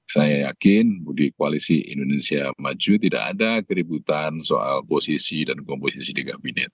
saya yakin di koalisi indonesia maju tidak ada keributan soal posisi dan komposisi di kabinet